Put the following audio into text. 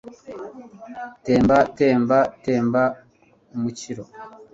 temba ,temba temba umukiro